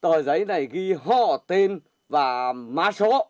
tờ giấy này ghi họ tên và má số